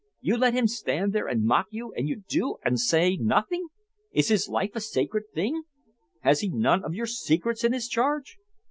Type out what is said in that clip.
You let him stand there and mock you, and you do and say nothing! Is his life a sacred thing? Has he none of your secrets in his charge?"